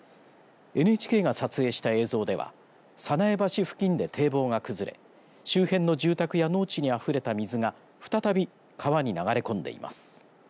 ＮＨＫが撮影した映像では早苗橋付近で堤防が崩れ周辺の住宅や農地にあふれた水が再び川に流れ込んでいます。